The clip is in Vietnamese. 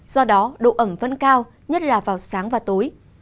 do đó độ ẩm vẫn cao nhất là vào sáng và tối